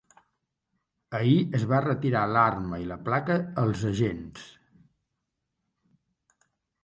Ahir es va retirar l’arma i la placa als agents.